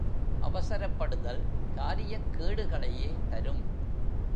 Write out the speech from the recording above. அவசரப்படுதல் காரியக் கேடுகளையே தரும்.